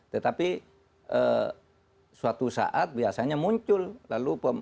tetapi suatu saat biasanya muncul lalu